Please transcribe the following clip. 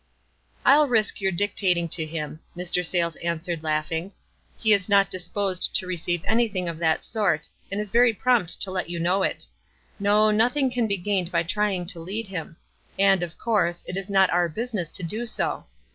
"I'll risk your dictating to him," Mr. Sayles answered, laughing. "He is not disposed to receive anything of that sort, and is very prompt to let you know it. No, nothing can be gained by trying to lead him ; and, of course, it is not our business to do so.